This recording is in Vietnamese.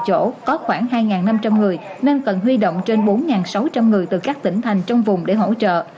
chỗ có khoảng hai năm trăm linh người nên cần huy động trên bốn sáu trăm linh người từ các tỉnh thành trong vùng để hỗ trợ